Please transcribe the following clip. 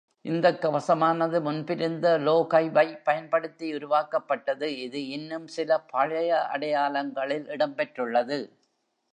இந்தக் கவசமானது முன்பிருந்த லோகைவை பயன்படுத்தி உருவாக்கப்பட்டது, இது இன்னும் சில பழைய அடையாளங்களில் இடம்பெற்றுள்ளது.